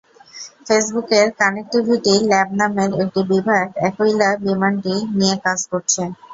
ফেসবুকের connectivity lab নামের একটি বিভাগ অ্যাকুইলা বিমানটি নিয়ে কাজ করছে।